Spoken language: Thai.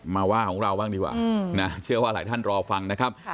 มาว่าของเราบ้างดีกว่านะเชื่อว่าหลายท่านรอฟังนะครับ